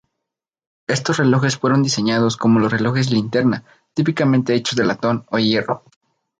Estos relojes fueron diseñados como los relojes linterna, típicamente hechos de latón o hierro.